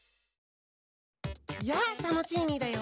やあタノチーミーだよ。